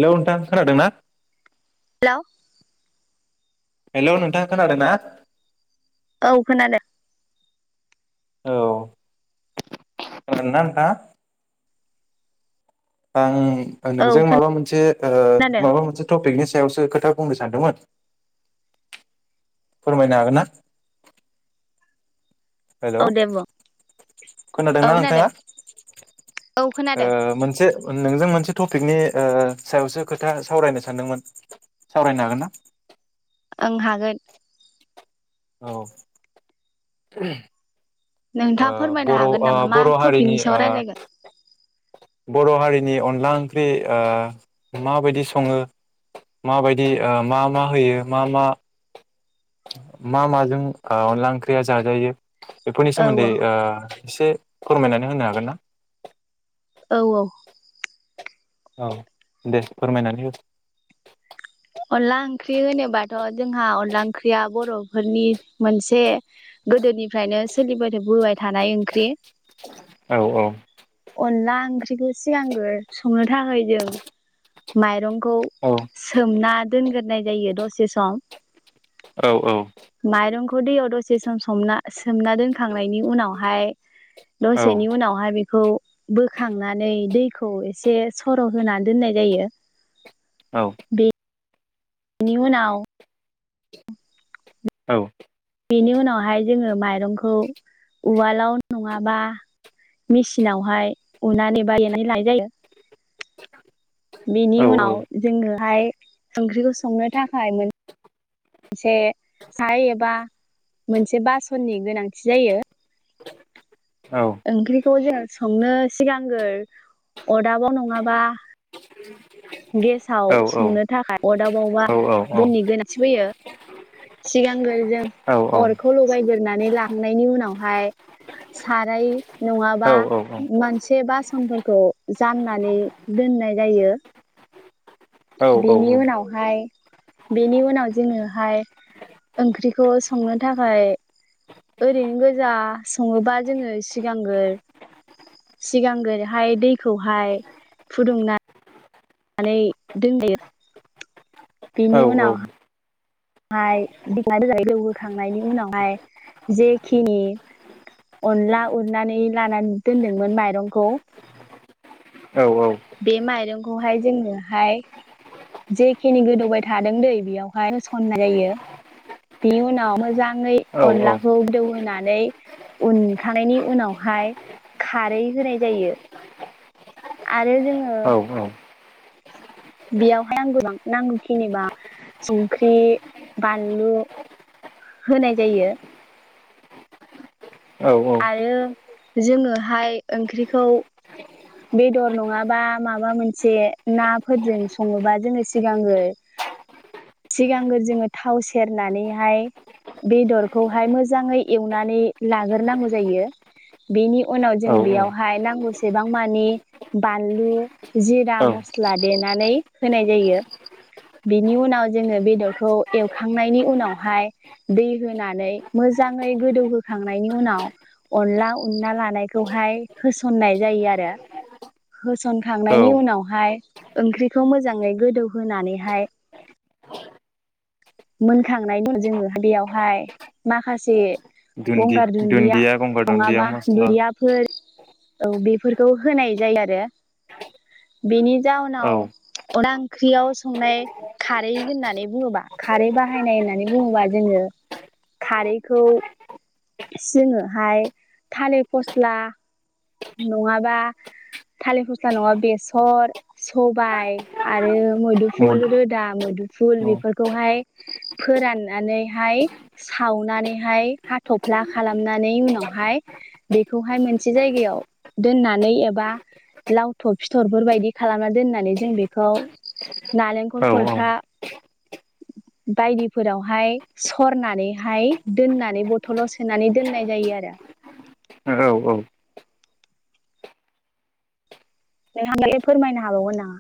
Hello नोंथां खोनादों ना? हेलौ हेलौ नोंथाङा खोनादों ना? औ खोनादों औ नोंथाङा दा आं औ नोंजों माबा मोनसे ओ खोनादों माबा मोनसे टपिकनि सा सयावसो खोथा बुंनो सानदोंमोन फोरमायनो हागोन ना हेलौ औ दे बुं औ खोनादोंना खोनादों नोंथाङा औ खोनादों मोनसे नोंजों मोनसे टपिकनि ओ सायावसो खोथा सावरायनो सानदोंमोन सावरायनो हागोन ना ओं हागोन औ ओ नोंथाङा फोरमायनो बर' ओ हागोन नामा मा बर' हारिनि टपिकनि ओ सायाव रायलायगोन बर हारिनि अनला ओंख्रि माबायदि सङो माबायदि मा-मा होयो मा-मा मा-माजों अनला ओंख्रिया जाजायो बेफोरनि औ सोमोन्दै एसे फोरमायनानै होनो हागोन ना औ-औ औ दे फोरमायनानै हो अनला ओंख्रि होनोबाथ जोंहा अनला ओंख्रिया बरफोरनि मोनसे गोदोनि फ्रायनो सोलिबादों बोबाय थानाय ओंख्रि औ ओंख्रिखौ सिगांग्रो संनो थाखाय जों माइं औ सोमना दो दोनग्रोनाय जायो दसे सम औ-औ खौ दैयाव दसे सम समना सोमना दोनखांनायनि उनावहाय औ दसेनि उनावहाय बेखौ बोखांनानै दैखौ एसे सर' होनानै दोननाय जायो औ बे बेनि उनाव औ बेनि उनावहाय जोङो माइरंखौ उवालाव नङाबा मेचिनावहाय उननानै बा देनानै लानाय जायो बेनि औ उनाव जोङो हाय ओंख्रिखौ संनो थाखाय मोन मोनसे साइ एबा मोनसे बासननि गोनांथि जायो औ थ जों संनो सिगांगोर अरदाबाव नङाबा गेसाव औ औ संनो थाखाय अरदाबावबा बननि गोनांथि फैयो सिगांग्रो जों अरखौ लगायगोर नानै लांनायनि उनावहाय साराय नङाबा औ मोनसे बासनफोरखौ जाननानै दोननाय जायो बेनि उनावहाय बेनि उनाव जोङोहाय ओंख्रिखौ संनो थाखाय ओरैनो गोजा सङोबा जोङो सिगांग्रो सिगांग्रोहाय दैखौहाय फुदुंनानै दोनद [inaudible] [unintelligible] बेनि उनाव हाय दै होखांनायनि उनावहाय जेखिनि अनला उननानै लानानै दोनदोंमोन माइरंखौ बे माइरंखौहाय जोङोहाय जेखिनि गोदौबाय थादों दै बेयावहाय होसननाय जायो बेनि उनाव मोजाङै अनलाखौ गोदौ होनोनानै उनखांनायनि उनावहाय खारै होनाय जायो। आरो जोङो । बेयावहाय आं गोबां नांगौखिनिबा संख्रि बानलु होनाय जायो। औ औ। आरो जोङोहाय ओंख्रिखौ। बेदर नङाबा माबा मोनसे नाफोरजों सङोबा जोङो सिगांगो सिगांग्रो जोङो थाव सेरनानैहाय बेदरखौहाय मोजाङै एवनानै लाग्रोनांगौ जायो। बेनि उनाव जों औ बेयावहाय नांगौसेबां। मानि बानलु जिरा मस्ला देनानै होनाय जायो। बेनि उनाव जोङो बेदरखौ एवखांनायनि उनावहाय दै होनानै मोजाङै गोदौहोखांनायनि उनाव अनला उनना लानायखौहाय होसननाय जायो आरो। आरो होसनखांनायनि उनावहाय ओंख्रिखौ मोजाङै गोदौ होनानैहाय। मोनखांनाय [unintelligible] जोङो बेयावहाय माखासे। दुन्दि गंगार दुन्दिया गंगार दुन्दिया नङाबा मस्ला दुरियाफोर। औ बेफोरखौ होनाय जायो आरो बेनि औ जाउनाव अन्ला ओंख्रियाव संनाय खारै होननानै बुङोबा। खारै बाहायनाय होननानै बुङोबा जोङो खारैखौ जोङोहाय थालिर फस्ला। नङाबा थालिर फस्ला नङाबा बेसर सबाय आरो मुद मैदुफुल रोदा मैदुफुल औ बेफोरखौहाय फोराननानैहाय सावनानैहाय हाथ'फ्ला खालामनानै उनावहाय बेखौहाय मोनसे जायगायाव। दोननानै एबा लावथब फिथरफोरबायदि खालामना दोननानै जों बेखौ नालेंखल औ औ खरथा बायदिफोरावहाय सरनानैहाय दोननानै बथ'लाव सोनानै दोननाय जायो आरो। औ औ नों [unintelligible] फोरमायनो हाबावगोन नामा?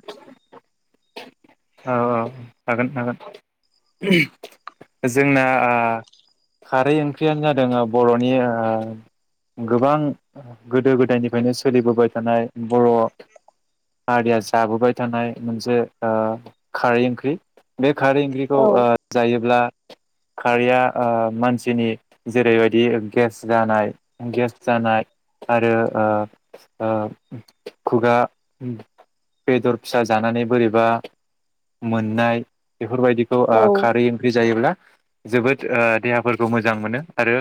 हागोन हागोन। जोंना ओ खारै ओंख्रियानो जादों बर'नि ओ गोबां गोदो गोदायनिफ्रायनो सोलिबोबाय थानाय बर' हारिया जाबोबाय थानाय मोनसे ओ खारै ओंख्रि। बे। खारै ओंख्रिखौ औ ओ- जायोब्ला। खारैया ओ- मानसिनि जेरैबायदि गेस जानाय गेस जानाय आरो ओ- ओ- खुगा बेदर फिसा जानानै बोरैबा मोननाय । बेफोरबायदिखौ ओ- औ खारै ओंख्रि जायोब्ला। जोबोद ओ- देहाफोरखौ मोजां मोनो आरो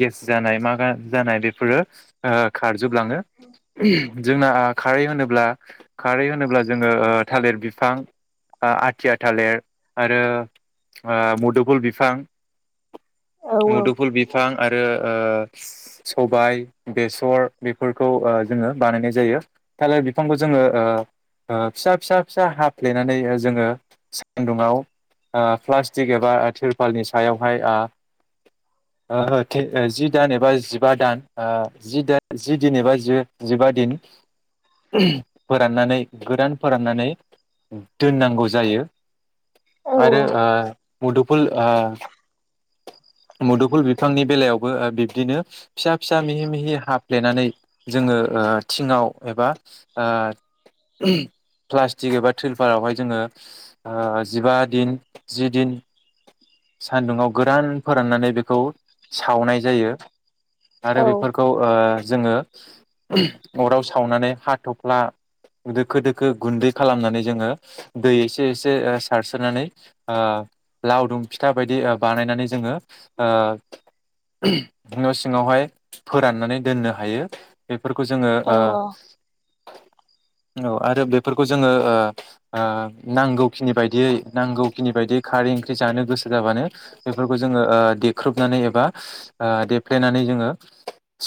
गेस जानाय मा जानाय बेफोरो ओ-खारजोबलाङो। जोंना खारै होनोब्ला खारै होनोब्ला जोङो ओ-थालिर बिफां ओ- आथिया। थालिर आरो ओ- मुदुफुल बिफां। औ मुदुफुल बि बिफां आरो ओ- सबाय बेसर बेफोरखौ ओ- जोङो बानायनाय जायो। थालिर बिफांखौ जोङो ओ- ओ- फिसा फिसा फिसा हाफ्लेनानै जोङो । सान्दुङाव ओ- प्लास्टिक एबा थिरपालनि सायावहाय ओ- ओ जि- दान एबा जिबा दान ओ- जि दा जि दिन एबा जि-जिबा दिन फोराननानै गोरान फोराननानै दोननांगौ जायो। आरो ओ- मुदुफुल ओ- मुदुफुल बिफांनि बेलायावबो ओ‌- बिब्दिनो फिसा फिसा मिहि मिहि हाफ्लेनानै जोङो ओ‌- थिङाव एबा‌ ओ- प्लास्टिक एबा थ्रिलपारावहाय जोङो ओ- जिबा दिन जि दिन सान्दुङाव। गोरान फोराननानै बेखौ सावनाय जायो। आरो बेफोरखौ ओ जोङो अराव सावनानै हाथफ्ला दोखो दोखो गुन्दै खालामनानै जोङो दै एसे एसे ओ-सारस्रोनानै ओ- लावदुम फिथा बायदि। बानायनानै जोङो ओ- न' सिङावहाय फोराननानै दोननो हायो। बे फोरफोरखौ जोङो औ ओ - औ आरो बेफोरखौ जोङो ओ- ओ- नांगौ। खिनि बायदियै नांगौ खिनि बायदि खारै। जानो गोसो जाबानो । बेफोरखौ जोङो ओ देख्रुबनानै एबा ओ-देफ्लेनानै जोङो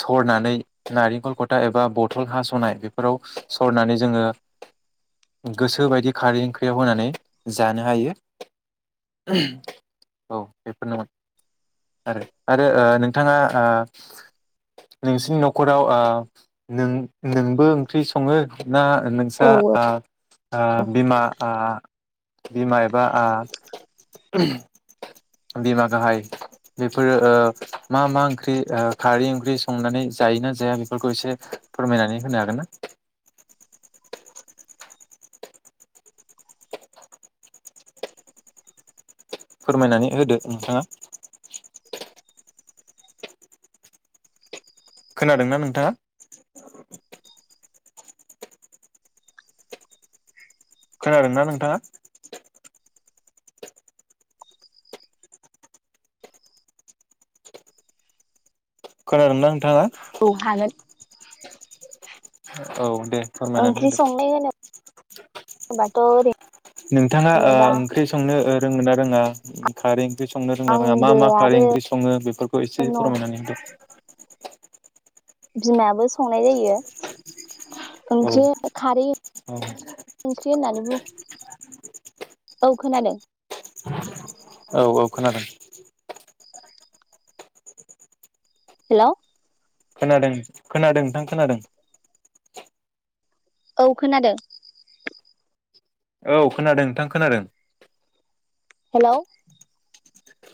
सरनानै नारेंखल खथा एबा बथल हास'नाय बेफोराव सरनानै जोङो गोसो बायदि खारै ओंख्रियाव होनानै जानो हायो औ। बेफोरनोमोन आरो आरो ओ- नोंथाङा ओ- नोंसिनि न'खराव ओ- नों-नोंबो ओंख्रि सङो? ना औ नोंसा औ ओ- ओ- बिमा ओ- बिमा एबा आ - [unintelligible] बिमा गाहाय बेफोरो ओ मा मा ओंख्रि ओ खारै ओंख्रि संनानै जायोना जाया बेफोरखौ एसे फोरमायनानै होनो हागोन ना। फोरमायनानै होदो नोंथाङा खोनादोंना नोंथाङा खोनादोंना नोंथाङा खोनादोंना हागोन नोंथाङा औ दे फोरमायनानै होदो बाथ' नोंथाङा ओ ओंख्रि संनो ओ रोंगोन ना रोङा खारै ओंख्रि संनो रोंना रङा मा आंबो मा खारै आरो ओंख्रि सङो बेफोरखौ एसे न' फोरमायनानै होनदों। बिमायाबो संनाय जायो। ओंख्रि खारै औ ओंख्रि होननानै औ खोनादों। औ औ खोनादों। हेल'। खोनादों खोनादों नोंथां खोनादों। औ खोनादों। औ खोनादों नोंथां खोनादों। हेल'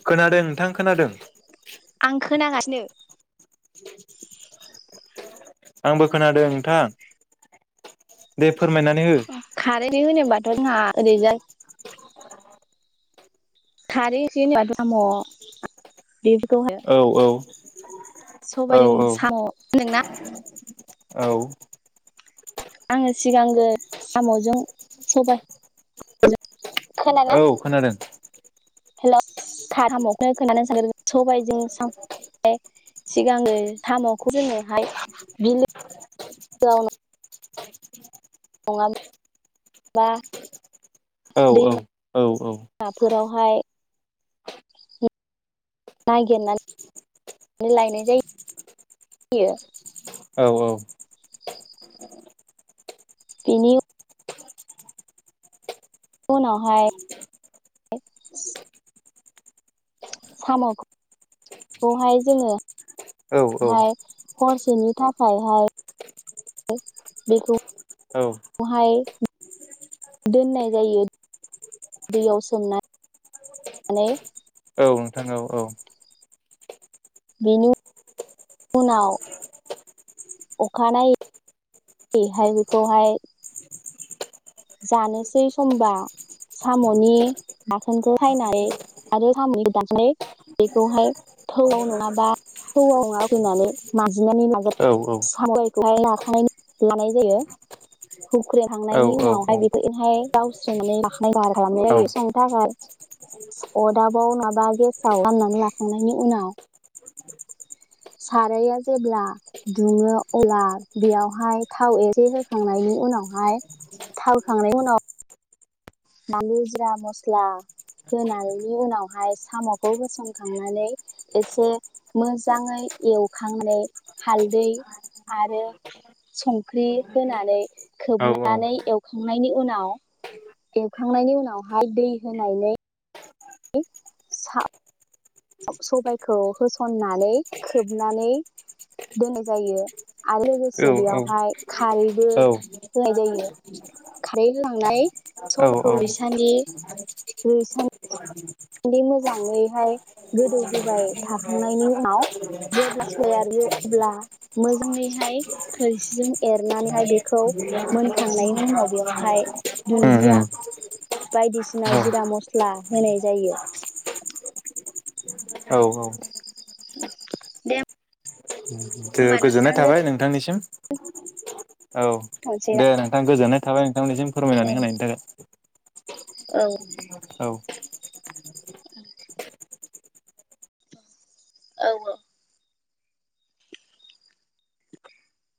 खोनादों नोंथां खोनादों आं खोनागासिनो। आंबो खोनादों नोंथां दे फोरमायनानै हो खारैनि होनो बाथ रोंआ ओरिजाय थारिनि दाम [unintelligible] औ औ औ सबायजों साम' नोंना औ आङो सिगां साम'जों सबाय औ खोनादों। हेल'साम'खौनो खोनानो सानदों सबायाइजों सिगाङो साम'खौ जोङोहाय बिलो नङाब्ला बा औ औ दैमा औ नाफोरावहाय नागिरनानै लायनाय जायो। औ बिनि उनावहाय साम'खौहाय जोङो औ औ। हरसेनि थाखायहाय औ बेखौहाय दोननाय जायो दैयाव सोमनानै। औ नोंथां औ बिनि उ उनाव अखानायै हाय बेखौहाय जानोसै समबा साम'नि दाखोनखौ सायनानै आरो साम'नि दाखनानै बेखौहाय थौआव नङाबा थौआव नङाैनानै माजिनानै लागोन औ साम'खौहाय लानाय लानाय जायो। औ हुख्रेखांनायनि उनाव औ बेफोरहाय गावस्रोननानै लाखनाय बाहार औ खालामनाय जायो संनो थाखाय अरदाबाव नङाबा गेसाव फाननानै लाखांनायनि उनाव सारायआ जेब्ला दुङो अब्ला बेयावहाय थाव एसे होखांनायनि उनावहाय थाव होखांनायनि उनाव बानलु जिरा मस्ला होनायनि उनावहाय साम'खौ होसनखांनानै एसे मोजाङै एवखांनानै हालदै आरो संख्रि होनानै खोबनानै एवखांनायनि उनाव एवखांनायनि उनावहाय दै होनायनै सा सबायखौ होसननानै खोबनानै दोननाय जायो आरो लोगोसे बेयावहाय खारैबो औ होनाय जायो खारै होलांनाय औ सबायखौ औ इसानि रुइसानि न्दि मोजाङैहाय गोदौहोबाय थाखाखांनायनि उनाव जेब्ला [unintelligible] अब्ला मोजाङैहाय खोस्लिजों एरनानैहाय बेखौ मोनखांनायनि उनाव बेवहाय उम दुन्दिया उम बायदिसिना औ जिरा मस्ला होनाय जायो। औ औ दे होमबा गोजोननाय नोंथां थाबाय नोंथांनिसिम। [inaudible] औ दोनथ'नोसै दे ना? नोंथां गोजोननाय थाबाय नोंथांमोननिसिम फोरमायनानै औ होनायनि थाखाय। औ। औ [inaudible] औ औ। [inaudible]